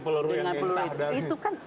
peluru yang entah itu kan